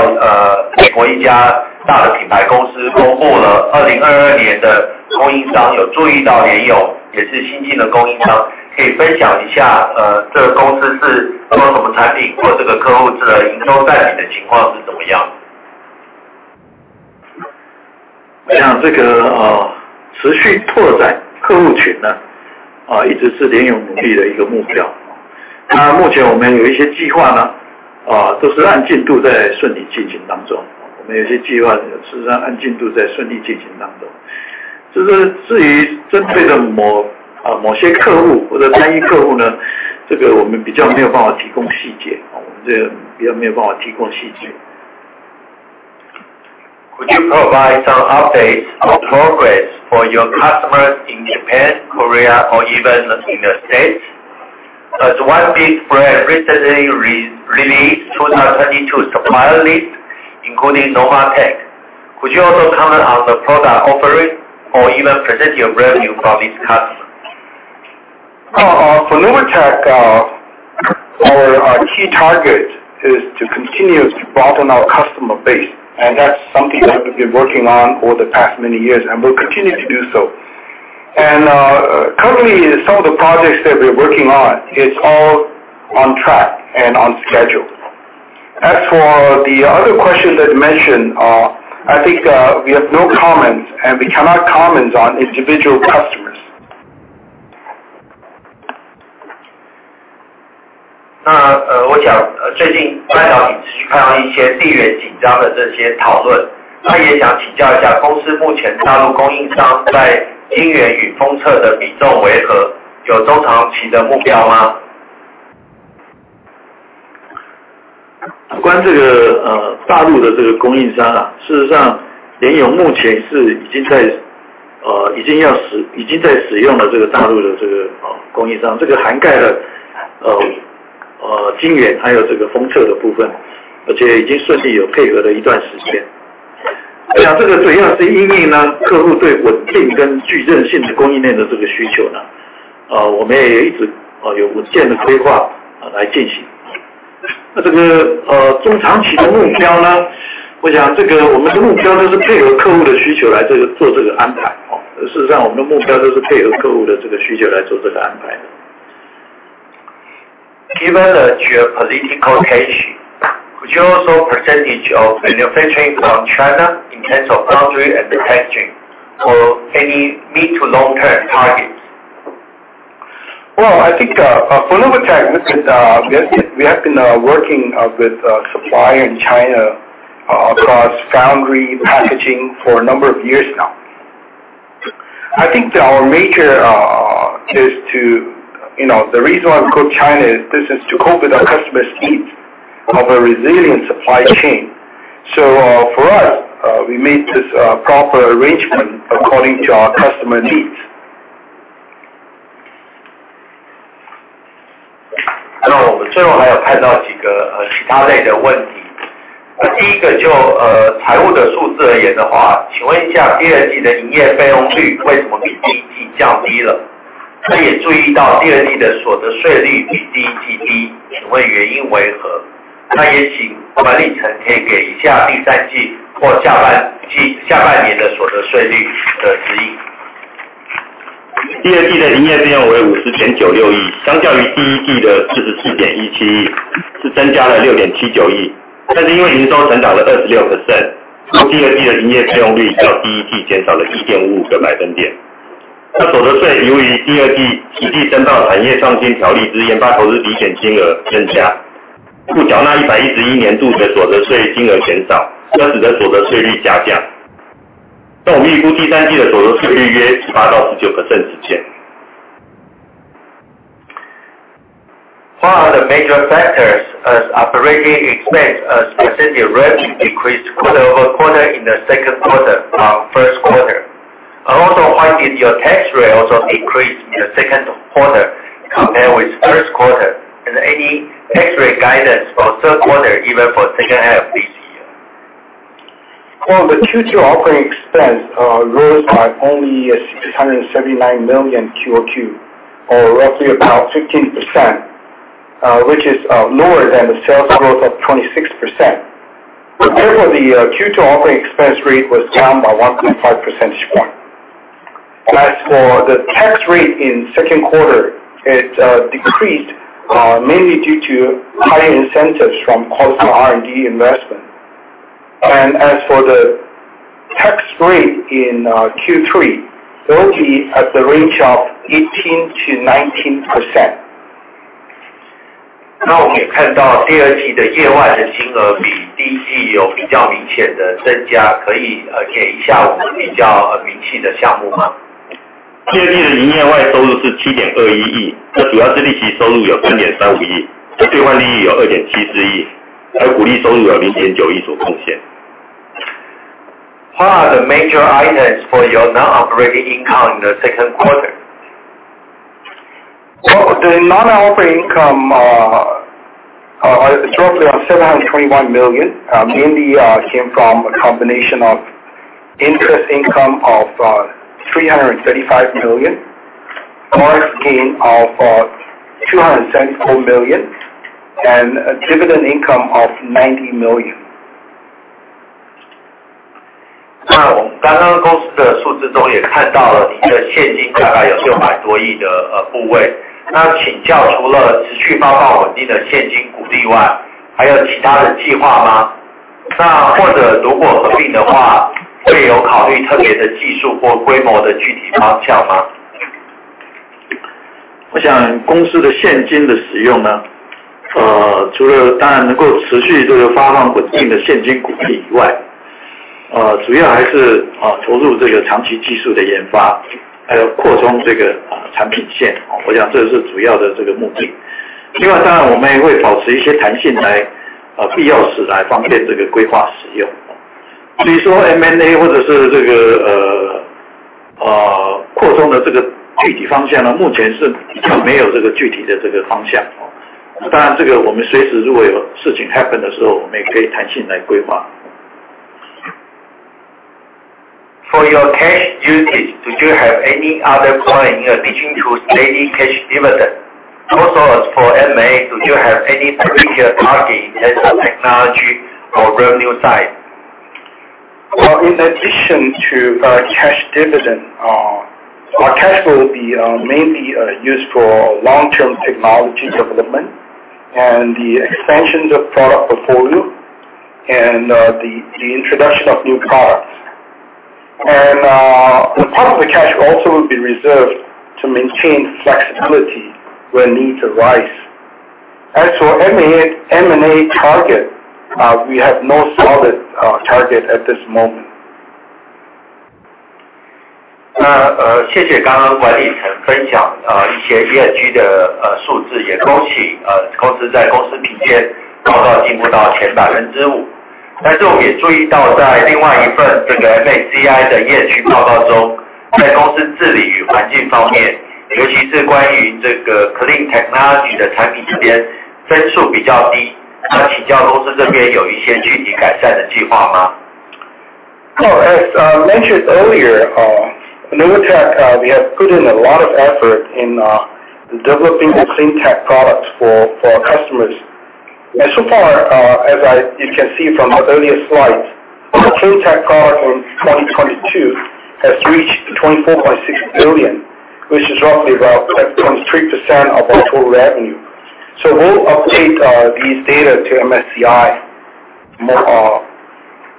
美国一家大的品牌公司公布了 2022年 的供应 商， 有注意到 Novatek 也是新进的供应 商， 可以分享一 下， 这个公司是提供什么产 品， 或这个客户的营收占比的情况是怎么样 的？ 这 个， 持续拓展客户群 呢， 一直是联咏努力的一个目标。那目前我们有一些计划 呢， 都是按进度在顺利进行当 中， 我们有些计划事实上按进度在顺利进行当中。这是至于针对的 某， 某些客户或者单一客户 呢， 这个我们比较没有办法提供细 节， 我们这个比较没有办法提供细节。Could you provide some updates or progress for your customers in Japan, Korea, or even in the States? One big brand recently re-released 2022 supplier list, including Novatek. Could you also comment on the product offering or even potential revenue for this customer? Oh, for Novatek, our key target is to continue to broaden our customer base, and that's something we have been working on for the past many years, and we'll continue to do so. Currently, some of the projects that we're working on is all on track and on schedule. As for the other question that you mentioned, I think, we have no comments and we cannot comment on individual customers. 那， 呃， 我想最近在媒体上持续看到一些地缘紧张的这些讨 论， 那也想请教一 下， 公司目前大陆供应商在晶圆与封测的比重为 何？ 有中长期的目标 吗？ 关于这个大陆的这个供应商 啊， 事实上联咏目前是已经在已经在使用了这个大陆的这个供应 商， 这个涵盖了晶 圆， 还有这个封测的部 分， 而且已经顺利有配合了一段时间。这个主要是因应了客户对稳定跟具韧性的供应链的需求 呢， 我们也一直有稳健的规划来进行。这个中长期的目标 呢， 我想这个我们的目标都是配合客户的需求来做这个安 排， 事实上我们的目标都是配合客户的这个需求来做这个安排的。Given that your political tension, could you also percentage of manufacturing from China in terms of foundry and packaging or any mid to long term targets? Well, I think, for Novatek, we have been, we have been, working, with, supplier in China, across foundry packaging for a number of years now. I think our major, is to, you know, the reason why we go China is this is to cope with our customer's needs of a resilient supply chain. For us, we made this, proper arrangement according to our customer needs. 我们最后还有看到几个其他类的问题。第一个就财务的数字而言的 话， 请问一下第2季的营业费用率为什么比第1季降低了？也注意到第2季的所得税率比第1季 低， 请问原因为 何？ 也请管理层给一下第3季或下半 期， 下半年的所得税率的指引。第二季的营业费用为五十点九六 亿， 相较于第一季的四十四点一七 亿， 是增加了六点七九 亿， 但是因为营收成长了二十六 percent， 所以第二季的营业费用率较第一季减少了一点五五个百分点。那所得税由于第二季依据征到产业创新条例之研发投资抵减金额增 加， 故缴纳一百一十一年度的所得税金额减 少， 这使得所得税率下降。那我们预估第三季的所得税率约十八到十九 percent 之间。What are the major factors as operating expense as percentage rate decreased quarter-over-quarter in the second quarter of first quarter? Also what is your tax rate also decreased in the second quarter compared with first quarter, and any tax rate guidance for third quarter, even for second half this year? Well, the Q2 operating expense rose by only $679 million QOQ or roughly about 15%, which is lower than the sales growth of 26%. Therefore, the Q2 operating expense rate was down by 1.5 percentage point. As for the tax rate in second quarter, it decreased mainly due to higher incentives from cost R&D investment. As for the tax rate in Q3, will be at the range of 18%-19%. 我们也看到第二季的业外的金额比第一季有比较明显的增 加， 可以给一下我们比较明细的项目吗？第二季的营业外收入是七点二一 亿， 这主要是利息收入有三点三五 亿， 这兑换利益有二点七四 亿， 还有股利收入有零点九亿。The major items for your non-operating income in the second quarter? The non-operating income, shortly on NTD 721 million, mainly came from a combination of interest income of NTD 335 million, profit gain of NTD 207 million, and dividend income of NTD 90 million. 那我们刚刚公司的数字中也看到了你的现金大概有六百多亿的部 位， 那请教除了持续发放稳定的现金股利 外， 还有其他的计划 吗？ 那或者如果合并的 话， 会有考虑特别的技术或规模的具体方向 吗？ 我想公司的现金的使用 呢， 除了当然能够持续这个发放稳定的现金股利以 外， 主要还是投入这个长期技术的研 发， 还有扩充这个产品 线， 我想这是主要的这个目的。另 外， 当然我们也会保持一些弹性 来， 必要时来方便这个规划使用。至于说 M&A 或者是这个扩充的这个具体方向 呢， 目前是比较没有这个具体的这个方向。当然这个我们随时如果有事情 happen 的时 候， 我们也可以弹性来规划。For your cash usage, did you have any other point in addition to steady cash dividend? As for M&A, do you have any particular target as technology or revenue side? Well, in addition to cash dividend, our cash will be mainly used for long-term technology development and the extensions of product portfolio and the introduction of new products. The part of the cash also will be reserved to maintain flexibility when needs arise. As for M&A, M&A target, we have no solid target at this moment. 那， 呃， 谢谢刚刚管理层分 享， 呃， 一些 ESG 的， 呃， 数 字， 也恭 喜， 呃， 公司在公司评鉴高到进步到前百分之五。但是我们也注意 到， 在另外一份这个 MSCI 的业序报告 中， 在公司治理与环境方 面， 尤其是关于这个 clean technology 的产品这边分数比较低，那请教公司这边有一些具体改善的计划 吗？ Well, as I mentioned earlier, BenQ, we have put in a lot of effort in developing the Clean Tech products for, for our customers. So far, you can see from the earlier slides, our Clean Tech product in 2022 has reached $24.6 billion, which is roughly about 23% of our total revenue. We'll update these data to MSCI more,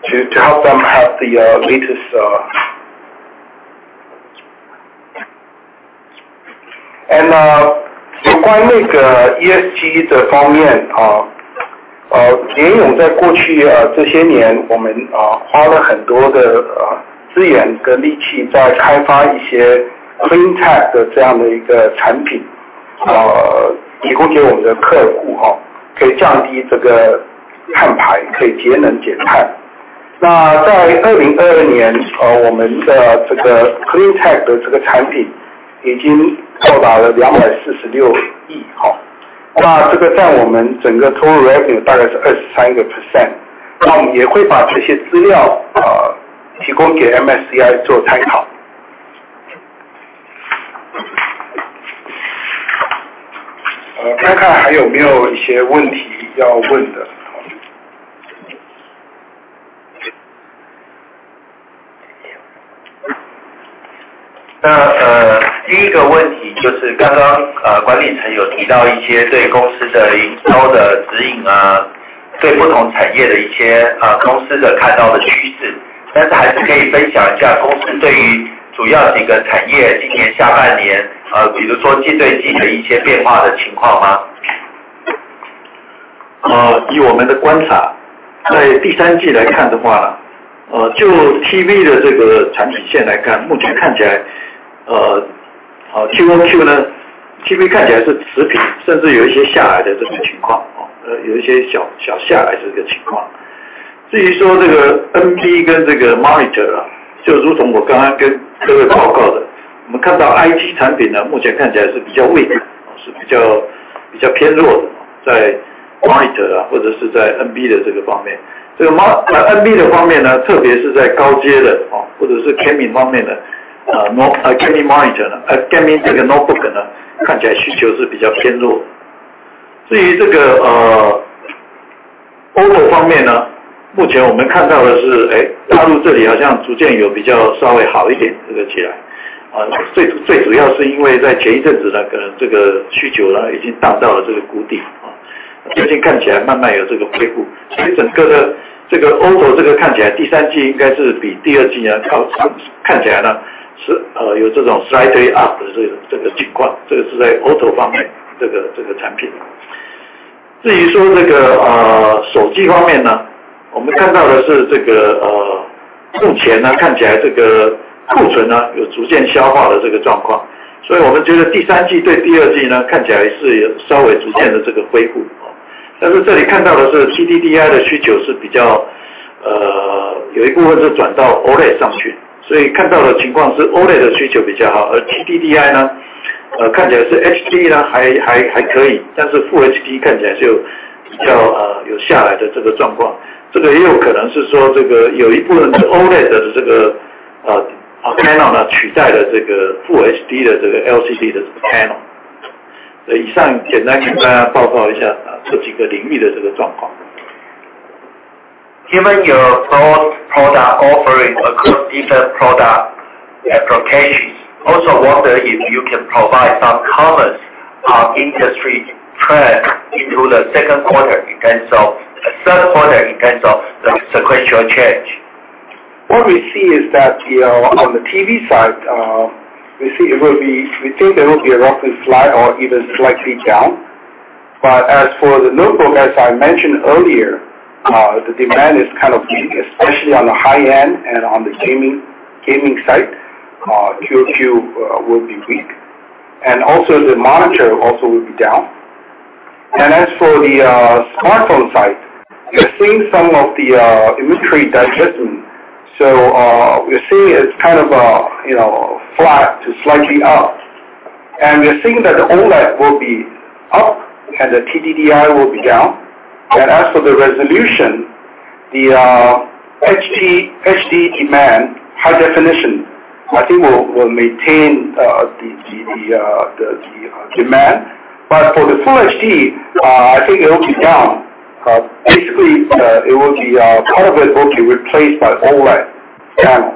to, to help them have the latest. 有关那个 ESG 的方 面， 联咏在过去这些 年， 我们花了很多的资源跟力气在开发一些 Clean Tech 的这样的一个产品，提供给我们的客 户， 可以降低这个碳 排， 可以节能减碳。在2022 年， 我们的这个 Clean Tech 的这个产品已经到达了 NTD 24.6 billion， 这个在我们整个 total revenue 大概是 23%， 我们也会把这些资料提供给 MSCI 做参考。呃， 看看还有没有一些问题要问 的， 好。那， 呃， 第一个问题就是刚 刚， 呃， 管理层有提到一些对公司的营收的指引 啊， 对不同产业的一 些， 呃， 公司的看到的趋 势， 但是还是可以分享一下公司对于主要几个产业今年下半 年， 呃， 比如说季对季的一些变化的情况 吗？ 以我们的观 察， 在 Q3 来看的 话， 就 TV 的这个产品线来 看， 目前看起 来， TV 呢， TV 看起来是持 平， 甚至有一些下来的这种情 况， 有一些小小下来的这个情况。这个 MP 跟这个 monitor， 就如同我刚刚跟各位报告 的， 我们看到 IT 产品 呢， 目前看起来是比较 weak， 是比较偏弱 的， 在 monitor， 或者是在 MB 的这个方面。这个 MB 的方面 呢， 特别是在高阶 的， 或者是 gaming 方面 的， gaming monitor， gaming 这个 notebook 呢， 看起来需求是比较偏弱。这个 Other 方面呢，目前我们看到的 是， China 这里好像逐渐有比较稍微好一 点， 这个起 来， 最主要是因为在前一阵子 呢， 可能这个需求呢已经降到了这个谷 底， 就已经看起来慢慢有这个恢复。整个的这个 Other， 这个看起来 Q3 应该是比 Q2 呢， 看起来 呢， 有这种 slightly up 的这 个， 这个情 况， 这个是在 Other 方面这 个， 这个产品。这个手机方面呢，我们看到的是这 个， 目前呢看起来这个库存 呢， 有逐渐消化的这个状 况， 所以我们觉得 Q3 对 Q2 呢， 看起来也是有稍微逐渐的这个恢复。这里看到的是 TDDI 的需求是比较，有一部分是转到 OLED 上去，所以看到的情况是 OLED 的需求比较好，而 TDDI 呢，看起来是 HD 呢，还，还，还可以，但是 Full HD 看起来就比较，有下来的这个状况。这个也有可能是说，这个有一部分是 OLED 的这个 panel 取代了这个 Full HD 的这个 LCD 的 panel。以上简单跟大家报告一下这几个领域的这个状况。Given your broad product offering across different product applications, also wonder if you can provide some comments on industry trend into the second quarter third quarter in terms of the sequential change. What we see is that, you know, on the TV side, we see it will be, we think it will be roughly flat or even slightly down. As for the notebook, as I mentioned earlier, the demand is kind of weak, especially on the high end and on the gaming side, Q2 will be weak, and also the monitor also will be down. As for the smartphone side, we're seeing some of the inventory digestion, so, we're seeing it's kind of, you know, flat to slightly up, and we're seeing that the OLED will be up and the TDDI will be down. As for the resolution, the HD demand, high definition, I think will maintain the demand, but for the Full HD, I think it will be down. Basically, it will be, part of it will be replaced by OLED panel.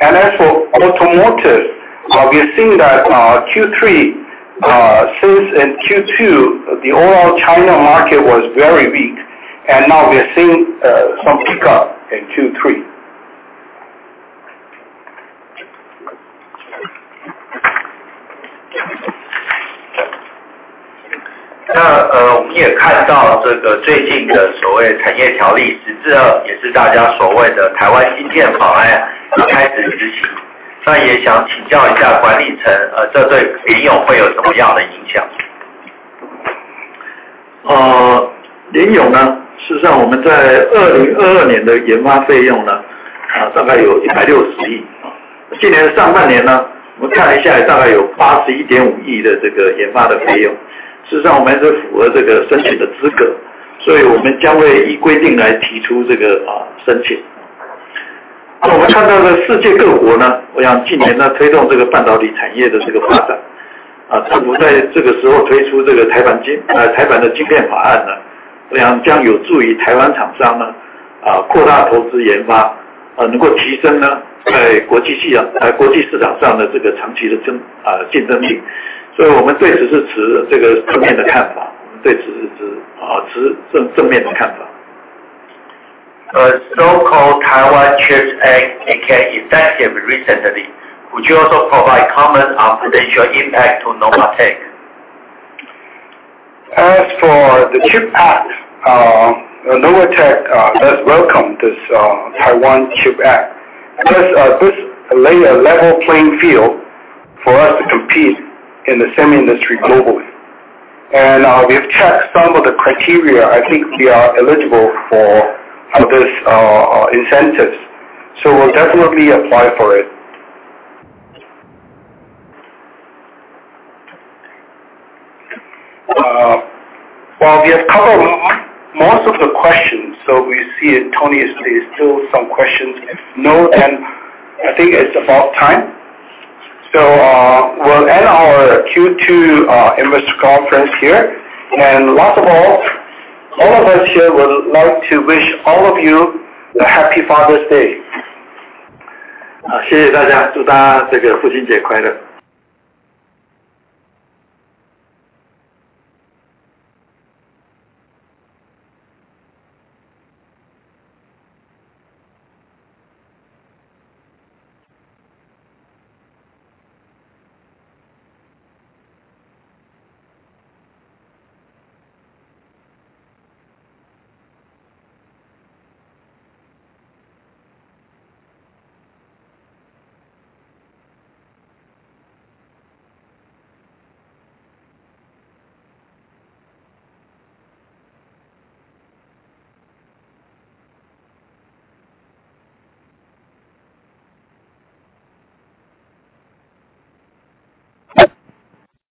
As for automotive, we're seeing that Q3, since in Q2, the overall China market was very weak, and now we are seeing some pickup in Q3. 我们也看到这个最近的所谓产业条例 14-2， 也是大家所谓的台湾晶片法案开始执 行， 也想请教一下管理 层， 这对联咏会有什么样的影 响？ 联咏 呢， 事实上我们在2022年的研发费用 呢， 大概有 TWD 16 billion， 今年上半年呢，我们看一下也大概有 TWD 8.15 billion 的这个研发的费 用， 事实上我们是符合这个申请的资 格， 所以我们将会依规定来提出这个申请。我们看到的世界各国 呢， 我想近年在推动这个半导体产业的这个发 展， 政府在这个时候推出这个台版 晶， 台版的晶片法案 呢， 我想将有助于台湾厂商 呢， 扩大投资研发，能够提升 呢， 在国际市 场， 在国际市场上的这个长期的竞争 力， 所以我们对此是持这个正面的看 法， 对此是 持， 持 正， 正面的看法。so-called Taiwan Chips Act AKA effective recently. Would you also provide comment on potential impact to Novatek? As for the Chips Act, Novatek does welcome this Taiwan Chips Act. This, this lay a level playing field for us to compete in the semi industry globally, and we've checked some of the criteria. I think we are eligible for this incentives, so we'll definitely apply for it. Well, we have covered most of the questions, so we see Tony, there's still some questions. If no, then I think it's about time. We'll end our Q2 investor conference here. Last of all, all of us here would like to wish all of you a Happy Father's Day! 谢谢大 家， 祝大家这个父亲节快乐。